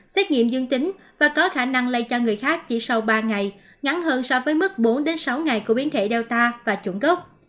xét nghiệm dương tính và có khả năng lây cho người khác chỉ sau ba ngày ngắn hơn so với mức bốn sáu ngày của biến thể data và chuẩn gốc